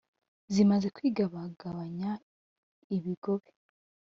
zimaze kwigabagabanya ibigobe